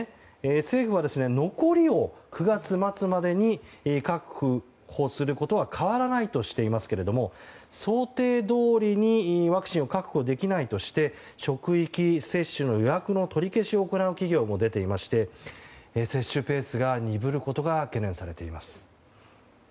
政府は、残りを９月末までに確保することは変わらないとしていますが想定どおりにワクチンを確保できないとして職域接種の予約の取り消しを行う企業も出ていまして接種ペースが鈍ることが懸念されています。